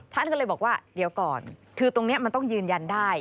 ท่านก็เลยบอกว่าเดี๋ยวก่อนคือตรงนี้มันต้องยืนยันได้